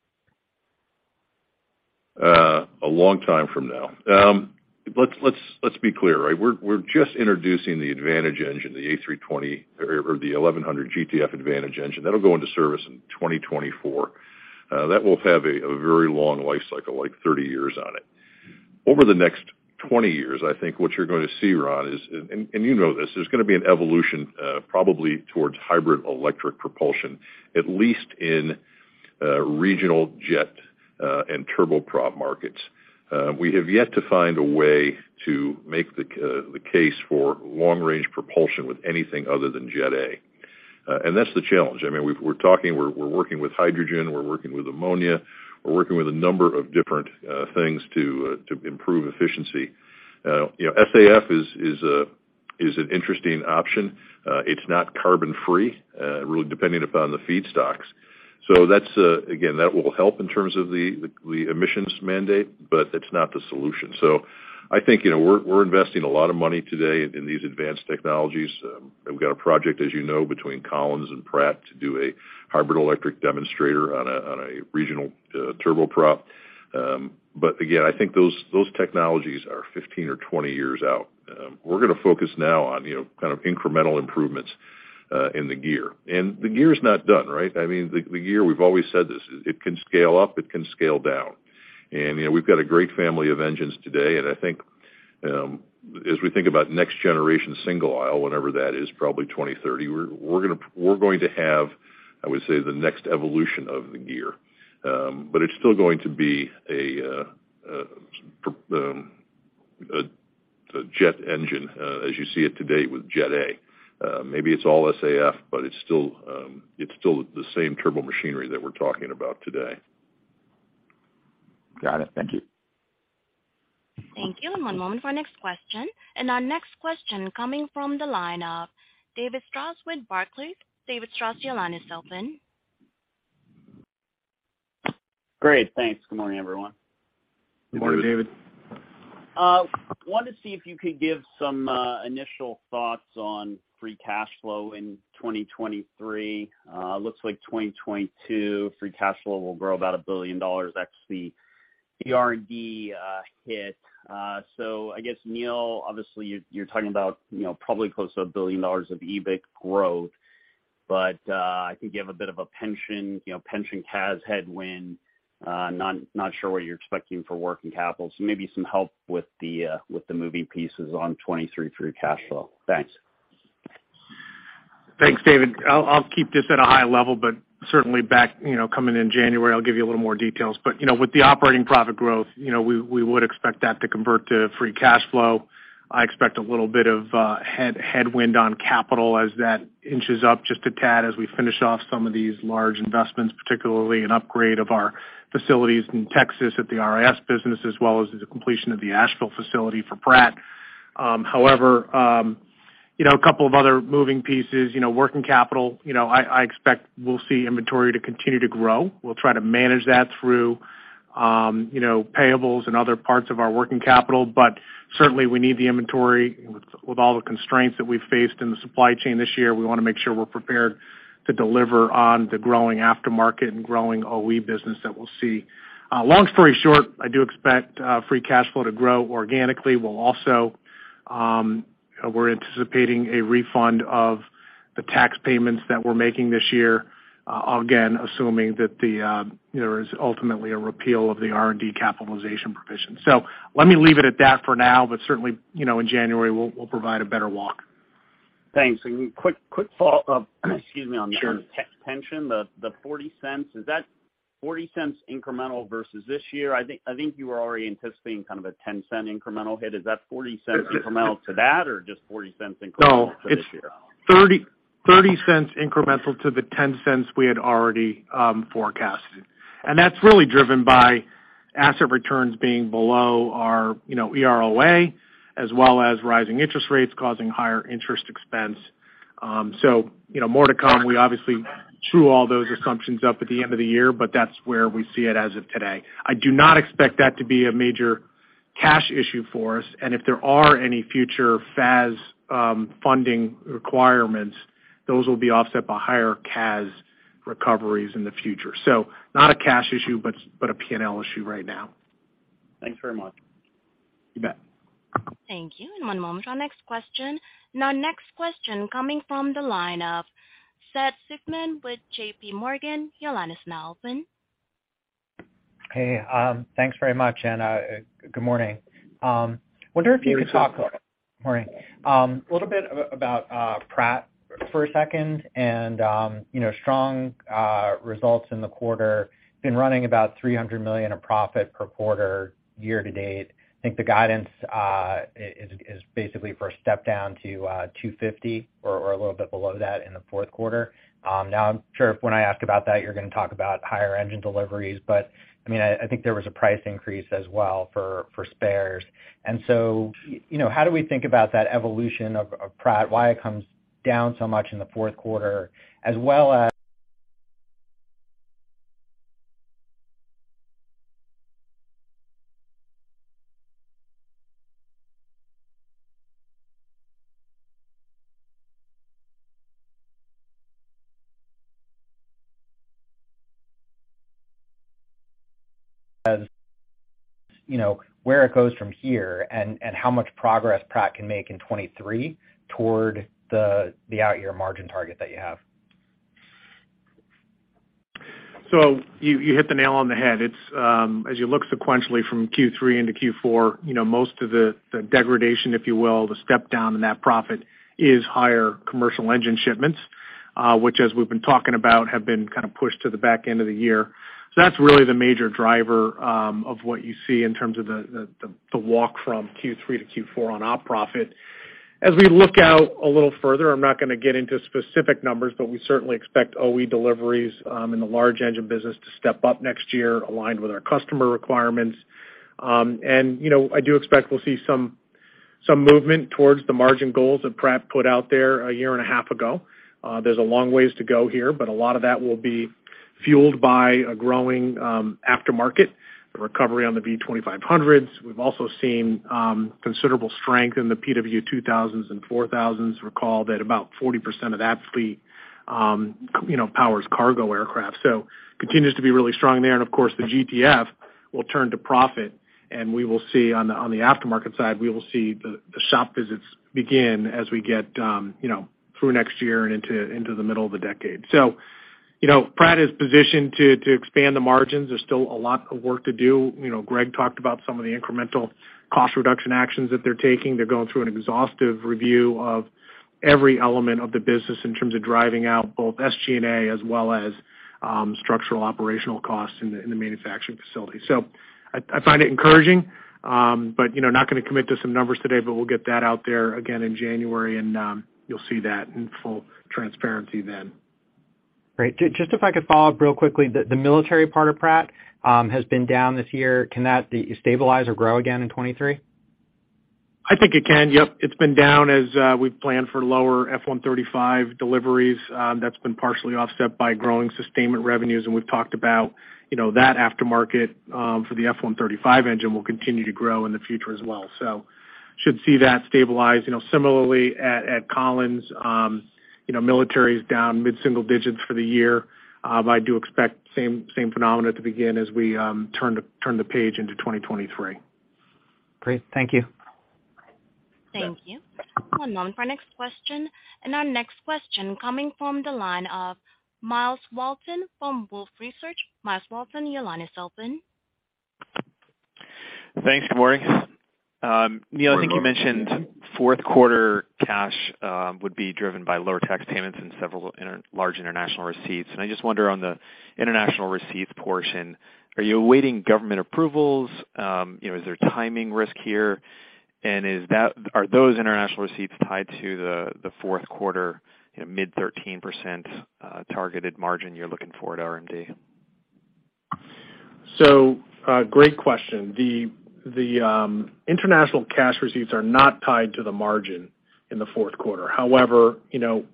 A long time from now. Let's be clear, right? We're just introducing the Advantage engine, the A320 or the PW1100G GTF Advantage engine. That'll go into service in 2024. That will have a very long life cycle, like 30 years on it. Over the next 20 years, I think what you're gonna see, Ron, is and you know this, there's gonna be an evolution, probably towards hybrid electric propulsion, at least in regional jet and turboprop markets. We have yet to find a way to make the case for long-range propulsion with anything other than Jet A. That's the challenge. I mean, we're talking, we're working with hydrogen, we're working with ammonia, we're working with a number of different things to improve efficiency. You know, SAF is an interesting option. It's not carbon free, really depending upon the feedstocks. That's again, that will help in terms of the emissions mandate, but it's not the solution. I think, you know, we're investing a lot of money today in these advanced technologies. We've got a project, as you know, between Collins and Pratt to do a hybrid electric demonstrator on a regional turboprop. Again, I think those technologies are 15 or 20 years out. We are gonna focus now on, you know, kind of incremental improvements in the gear. The gear's not done, right? I mean, the gear, we've always said this, it can scale up, it can scale down. You know, we've got a great family of engines today, and I think, as we think about next generation single aisle, whenever that is, probably 2030, we're going to have, I would say, the next evolution of the gear. It's still going to be a jet engine, as you see it today with Jet A. Maybe it's all SAF, but it's still the same turbo machinery that we're talking about today. Got it. Thank you. Thank you. One moment for our next question. Our next question coming from the line of David Strauss with Barclays. David Strauss, your line is open. Great, thanks. Good morning, everyone. Good morning, David. Wanted to see if you could give some initial thoughts on free cash flow in 2023. Looks like 2022 free cash flow will grow about $1 billion, that's the R&D hit. I guess, Neil, obviously you're talking about, you know, probably close to $1 billion of EBIT growth. I think you have a bit of a pension, you know, pension CAS headwind. Not sure what you're expecting for working capital. Maybe some help with the moving pieces on 2023 free cash flow. Thanks. Thanks, David. I'll keep this at a high level, but certainly back in January, I'll give you a little more details. You know, with the operating profit growth, you know, we would expect that to convert to free cash flow. I expect a little bit of headwind on capital as that inches up just a tad as we finish off some of these large investments, particularly an upgrade of our facilities in Texas at the RIS business, as well as the completion of the Asheville facility for Pratt. However, you know, a couple of other moving pieces, you know, working capital, you know, I expect we'll see inventory to continue to grow. We'll try to manage that through, you know, payables and other parts of our working capital. Certainly we need the inventory with all the constraints that we've faced in the supply chain this year. We wanna make sure we're prepared to deliver on the growing aftermarket and growing OE business that we'll see. Long story short, I do expect free cash flow to grow organically. We're also anticipating a refund of the tax payments that we're making this year, again, assuming there is ultimately a repeal of the R&D capitalization provision. Let me leave it at that for now, but certainly, you know, in January, we'll provide a better walk. Thanks. Quick follow-up, excuse me, on the pension, the $0.40, is that $0.40 incremental versus this year? I think you were already anticipating kind of a $0.10 incremental hit. Is that $0.40 incremental to that or just $0.40 incremental to this year? No, it's $0.30 incremental to the $0.10 we had already forecasted. That's really driven by asset returns being below our, you know, EROA as well as rising interest rates causing higher interest expense. You know, more to come. We obviously true up all those assumptions at the end of the year, but that's where we see it as of today. I do not expect that to be a major cash issue for us, and if there are any future FAS funding requirements, those will be offset by higher CAS recoveries in the future. Not a cash issue, but a P&L issue right now. Thanks very much. You bet. Thank you. One moment for our next question. Our next question coming from the line of Seth Seifman with JP Morgan. Your line is now open. Hey, thanks very much and good morning. Wonder if you could talk- Good morning. Morning. A little bit about Pratt for a second and, you know, strong results in the quarter. Been running about $300 million in profit per quarter year to date. I think the guidance is basically for a step down to $250 or a little bit below that in the Q4. Now I'm sure when I ask about that, you're gonna talk about higher engine deliveries. I mean, I think there was a price increase as well for spares. You know, how do we think about that evolution of Pratt, why it comes down so much in the Q4 as well as, you know, where it goes from here and how much progress Pratt can make in 2023 toward the out year margin target that you have? You hit the nail on the head. It's as you look sequentially from Q3 into Q4, most of the degradation, if you will, the step down in that profit is higher commercial engine shipments, which as we've been talking about, have been kind of pushed to the back end of the year. That's really the major driver of what you see in terms of the walk from Q3 to Q4 on op profit. As we look out a little further, I'm not gonna get into specific numbers, but we certainly expect OE deliveries in the large engine business to step up next year aligned with our customer requirements. I do expect we'll see some movement towards the margin goals that Pratt put out there a year and a half ago. There's a long ways to go here, but a lot of that will be fueled by a growing aftermarket, the recovery on the V2500s. We've also seen considerable strength in the PW2000s and PW4000s. Recall that about 40% of that fleet, you know, powers cargo aircraft. Continues to be really strong there. Of course, the GTF will turn to profit, and we will see on the aftermarket side, we will see the shop visits begin as we get you know through next year and into the middle of the decade. You know, Pratt is positioned to expand the margins. There's still a lot of work to do. You know, Greg talked about some of the incremental cost reduction actions that they're taking. They are going through an exhaustive review of every element of the business in terms of driving out both SG&A, as well as, structural operational costs in the manufacturing facility. I find it encouraging, but you know, not gonna commit to some numbers today, but we'll get that out there again in January, and you'll see that in full transparency then. Great. Just if I could follow up real quickly. The military part of Pratt & Whitney has been down this year. Can that stabilize or grow again in 2023? I think it can. Yep. It's been down as we have planned for lower F135 deliveries. That's been partially offset by growing sustainment revenues. We have talked about, you know, that aftermarket for the F135 engine will continue to grow in the future as well. Should see that stabilize. You know, similarly at Collins, you know, military is down mid-single digits for the year. I do expect same phenomena to begin as we turn the page into 2023. Great. Thank you. Thank you. One moment for next question. Our next question coming from the line of Myles Walton from Wolfe Research. Myles Walton, your line is open. Thanks. Good morning. Neil, I think you mentioned Q4 cash would be driven by lower tax payments and several large international receipts. I just wonder on the international receipts portion, are you awaiting government approvals? You know, is there timing risk here? Are those international receipts tied to the Q4, you know, mid-13% targeted margin you're looking for at RMD? Great question. The international cash receipts are not tied to the margin in the Q4. However, you know,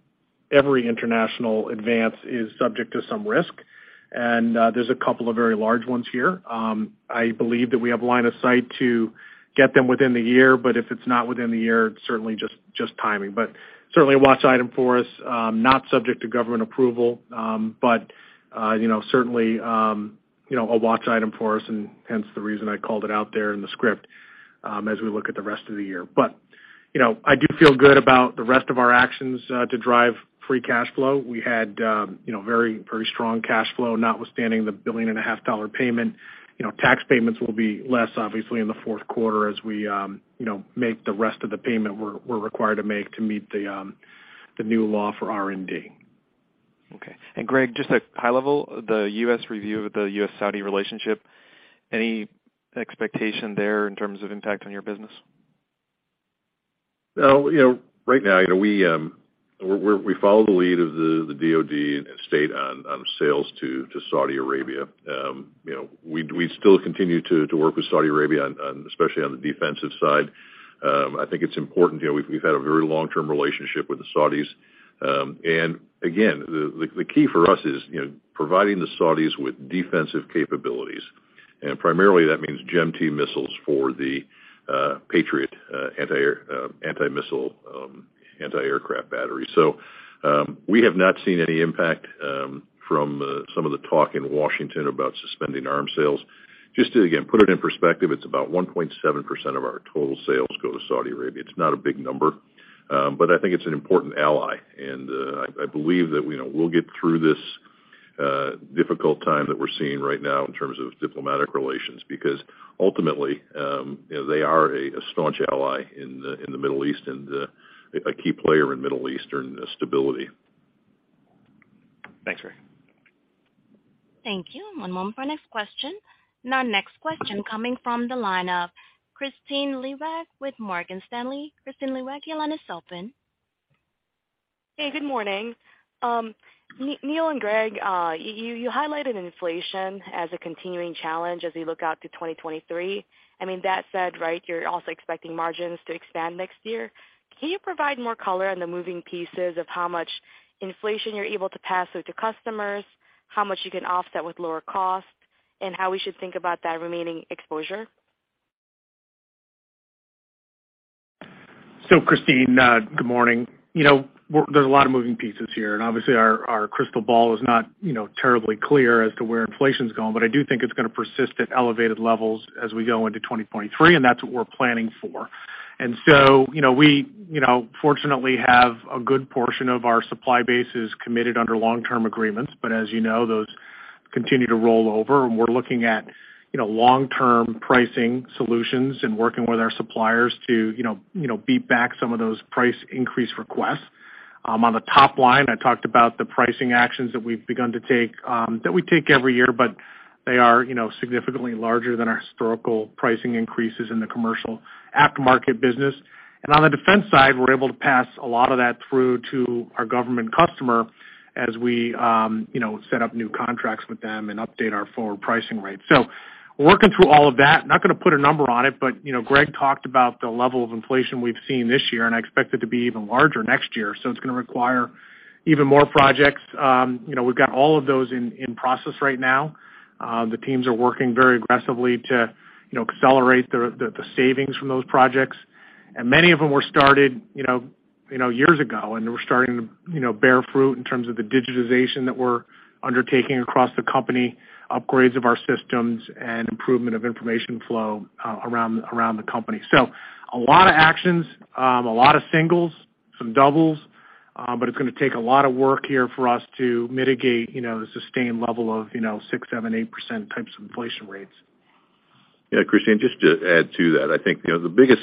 every international advance is subject to some risk, and there's a couple of very large ones here. I believe that we have line of sight to get them within the year, but if it's not within the year, it's certainly just timing. Certainly a watch item for us, not subject to government approval, but you know, certainly you know, a watch item for us and hence the reason I called it out there in the script, as we look at the rest of the year. You know, I do feel good about the rest of our actions to drive free cash flow. We had, you know, very, very strong cash flow, notwithstanding the $1.5 billion payment. You know, tax payments will be less obviously in the Q4 as we, you know, make the rest of the payment we're required to make to meet the new law for RMD. Okay. Greg, just at high level, the U.S. review of the U.S.-Saudi relationship, any expectation there in terms of impact on your business? Well, you know, right now, you know, we follow the lead of the DoD stance on sales to Saudi Arabia. You know, we still continue to work with Saudi Arabia on especially on the defensive side. I think it's important. You know, we have had a very long-term relationship with the Saudis. Again, the key for us is, you know, providing the Saudis with defensive capabilities, and primarily that means GEM-T missiles for the Patriot anti-aircraft battery. We have not seen any impact from some of the talk in Washington about suspending arms sales. Just to again put it in perspective, it's about 1.7% of our total sales go to Saudi Arabia. It's not a big number, but I think it's an important ally, and I believe that, you know, we'll get through this. Difficult time that we're seeing right now in terms of diplomatic relations, because ultimately, they are a staunch ally in the Middle East and a key player in Middle Eastern stability. Thanks, Greg. Thank you. One moment for our next question. Now next question coming from the line of Kristine Liwag with Morgan Stanley. Kristine Liwag, your line is open. Hey, good morning. Neil and Greg, you highlighted inflation as a continuing challenge as we look out to 2023. I mean, that said, right, you're also expecting margins to expand next year. Can you provide more color on the moving pieces of how much inflation you're able to pass through to customers, how much you can offset with lower costs, and how we should think about that remaining exposure? Kristine, good morning. You know, there's a lot of moving pieces here, and obviously, our crystal ball is not, you know, terribly clear as to where inflation's going. I do think it's gonna persist at elevated levels as we go into 2023, and that's what we're planning for. You know, we, you know, fortunately have a good portion of our supply base committed under long-term agreements. As you know, those continue to roll over, and we are looking at, you know, long-term pricing solutions and working with our suppliers to, you know, beat back some of those price increase requests. On the top line, I talked about the pricing actions that we have begun to take, that we take every year, but they are, you know, significantly larger than our historical pricing increases in the commercial aftermarket business. On the defense side, we're able to pass a lot of that through to our government customer as we set up new contracts with them and update our forward pricing rates. We're working through all of that. Not gonna put a number on it, but Greg talked about the level of inflation we've seen this year, and I expect it to be even larger next year. It's gonna require even more projects. We have got all of those in process right now. The teams are working very aggressively to accelerate the savings from those projects. Many of them were started, you know, years ago, and they were starting to, you know, bear fruit in terms of the digitization that we're undertaking across the company, upgrades of our systems and improvement of information flow around the company. A lot of actions, a lot of singles, some doubles, but it's gonna take a lot of work here for us to mitigate, you know, the sustained level of, you know, 6%, 7%, 8% types of inflation rates. Yeah, Christine, just to add to that, I think, you know, the biggest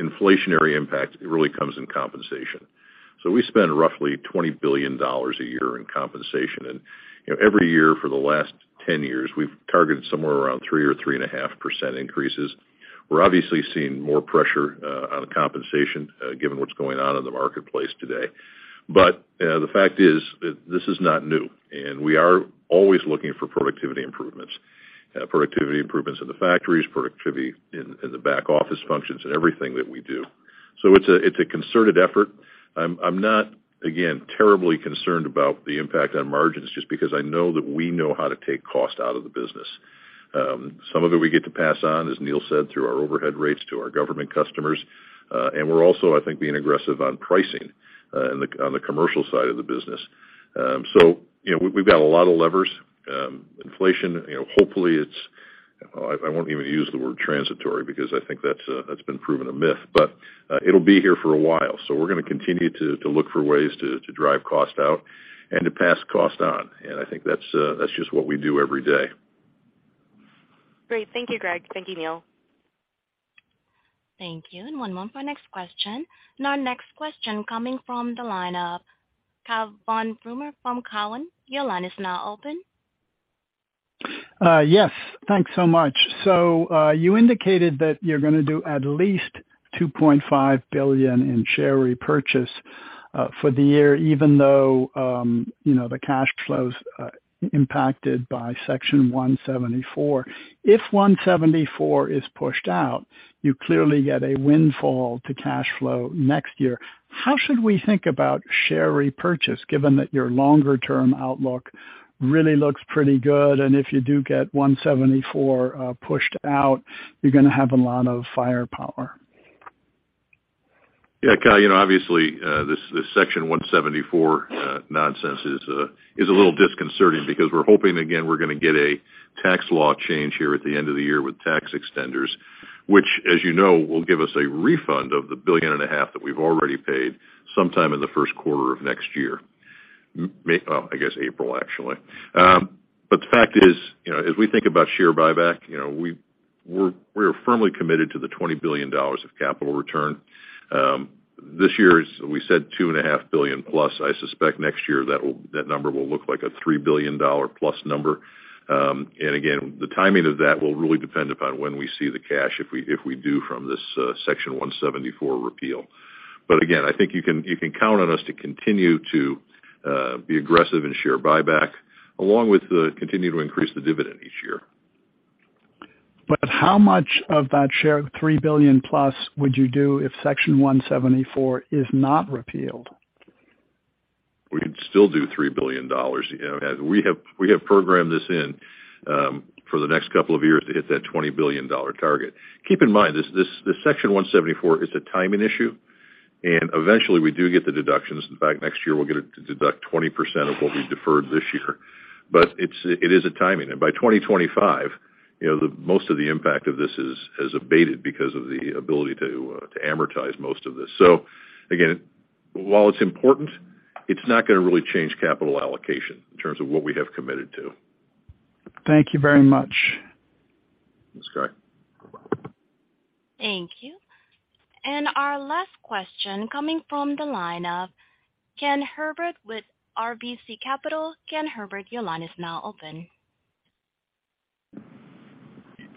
inflationary impact really comes in compensation. We spend roughly $20 billion a year in compensation. You know, every year for the last 10 years, we have targeted somewhere around 3% or 3.5% increases. We're obviously seeing more pressure on compensation given what's going on in the marketplace today. The fact is, this is not new, and we are always looking for productivity improvements. Productivity improvements in the factories, productivity in the back office functions, and everything that we do. It's a concerted effort. I'm not, again, terribly concerned about the impact on margins just because I know that we know how to take cost out of the business. Some of it we get to pass on, as Neil said, through our overhead rates to our government customers. We're also, I think, being aggressive on pricing on the commercial side of the business. You know, we've got a lot of levers. Inflation, you know, hopefully it's. I won't even use the word transitory because I think that's been proven a myth. It'll be here for a while, so we're gonna continue to look for ways to drive cost out and to pass cost on. I think that's just what we do every day. Great. Thank you, Greg. Thank you, Neil. Thank you. One moment for our next question. Now next question coming from the line of Cai von Rumohr from Cowen. Your line is now open. Yes, thanks so much. You indicated that you're gonna do at least $2.5 billion in share repurchase for the year, even though, you know, the cash flow's impacted by Section 174. If 174 is pushed out, you clearly get a windfall to cash flow next year. How should we think about share repurchase, given that your longer-term outlook really looks pretty good, and if you do get 174 pushed out, you're gonna have a lot of firepower? Yeah, Cai, you know, obviously, this Section 174 nonsense is a little disconcerting because we're hoping, again, we're gonna get a tax law change here at the end of the year with tax extenders, which, as you know, will give us a refund of the $1.5 billion that we've already paid sometime in the first quarter of next year. I guess April, actually. The fact is, you know, as we think about share buyback, you know, we're firmly committed to the $20 billion of capital return. This year, we said $2.5 billion plus. I suspect next year, that number will look like a $3 billion plus number. Again, the timing of that will really depend upon when we see the cash, if we do from this, Section 174 repeal. Again, I think you can count on us to continue to be aggressive in share buyback, along with continuing to increase the dividend each year. How much of that share, $3 billion plus, would you do if Section 174 is not repealed? We'd still do $3 billion. You know, we have programmed this in for the next couple of years to hit that $20 billion target. Keep in mind, this, the Section 174 is a timing issue, and eventually, we do get the deductions. In fact, next year, we'll get it to deduct 20% of what we deferred this year. But it is a timing. By 2025, you know, most of the impact of this has abated because of the ability to amortize most of this. So, Again, while it's important, it's not gonna really change capital allocation in terms of what we have committed to. Thank you very much. That's correct. Thank you. Our last question coming from the line of Kenneth Herbert with RBC Capital. Kenneth Herbert, your line is now open.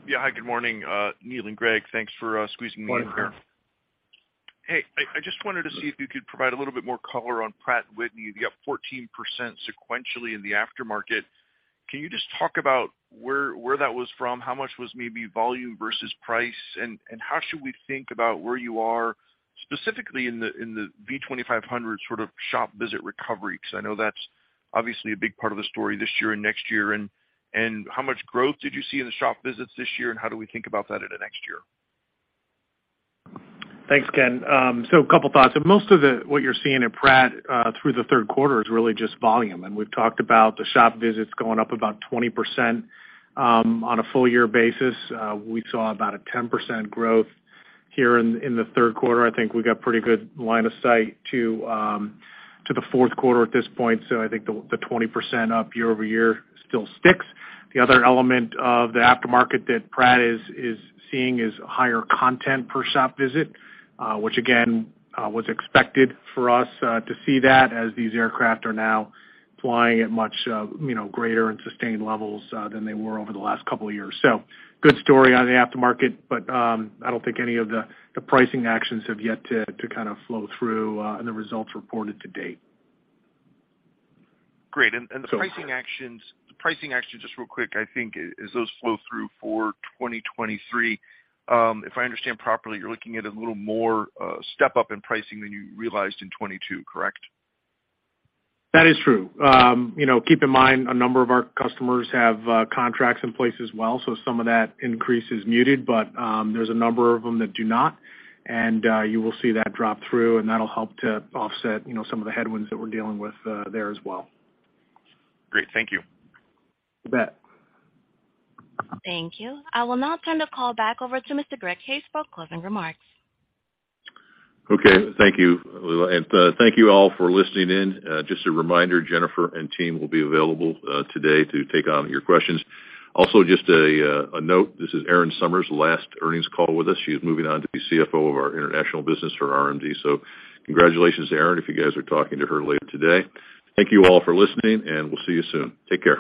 Yeah. Hi, good morning, Neil and Greg. Thanks for squeezing me in here. Good morning, Ken. Hey, I just wanted to see if you could provide a little bit more color on Pratt & Whitney. You're up 14% sequentially in the aftermarket. Can you just talk about where that was from? How much was maybe volume versus price? And how should we think about where you are specifically in the V-2500 sort of shop visit recovery? 'Cause I know that's obviously a big part of the story this year and next year. And how much growth did you see in the shop visits this year, and how do we think about that into next year? Thanks, Ken. A couple thoughts. Most of what you're seeing at Pratt through the Q3 is really just volume. We've talked about the shop visits going up about 20%, on a full year basis. We saw about a 10% growth here in the Q3. I think we got pretty good line of sight to the Q4 at this point, so I think the 20% up year-over-year still sticks. The other element of the aftermarket that Pratt is seeing is higher content per shop visit, which again was expected for us to see that as these aircraft are now flying at much, you know, greater and sustained levels than they were over the last couple of years. Good story on the aftermarket, but I don't think any of the pricing actions have yet to kind of flow through in the results reported to date. Great. The pricing action, just real quick, I think as those flow through for 2023, if I understand properly, you're looking at a little more step-up in pricing than you realized in 2022, correct? That is true. You know, keep in mind, a number of our customers have contracts in place as well, so some of that increase is muted. There's a number of them that do not, and you will see that drop through, and that'll help to offset, you know, some of the headwinds that we're dealing with there as well. Great. Thank you. You bet. Thank you. I will now turn the call back over to Mr. Greg Hayes for closing remarks. Okay, thank you. Thank you all for listening in. Just a reminder, Jennifer and team will be available today to take on your questions. Also, just a note, this is Erin Summers' last earnings call with us. She is moving on to be CFO of our international business for RMD. Congratulations to Erin, if you guys are talking to her later today. Thank you all for listening, and we'll see you soon. Take care.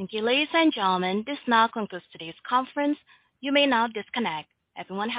Thank you. Ladies and gentlemen, this now concludes today's conference. You may now disconnect. Everyone, thank you.